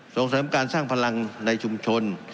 ส่งเสริมการสร้างพลังในชุมชน